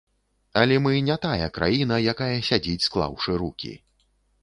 Але мы не тая краіна, якая сядзіць склаўшы рукі.